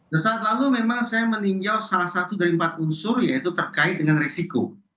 saat lalu memang saya meninjau salah satu dari empat unsur yaitu terkait dengan resiko